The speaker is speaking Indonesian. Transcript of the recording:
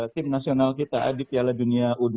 tim nasional kita di piala dunia